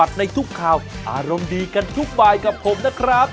อารมณ์ดีกันทุกบายกับผมนะครับ